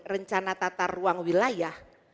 rencana tata ruang wilayah